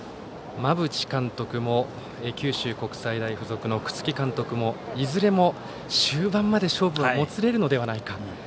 馬淵監督も九州国際大付属の楠城監督もいずれも終盤まで勝負がもつれるのではないか。